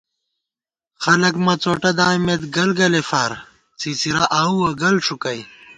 خَلَک مڅوٹہ دامېت گلگَلےفار څِڅِرہ آؤوَہ گل ݭُکَئ